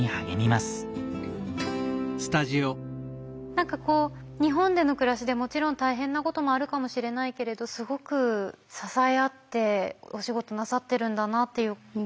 何かこう日本での暮らしでもちろん大変なこともあるかもしれないけれどすごく支え合ってお仕事なさってるんだなっていう。